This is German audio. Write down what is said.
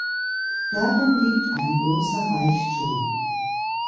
Darin liegt ein großer Reichtum.